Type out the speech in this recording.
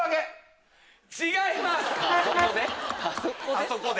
あそこで？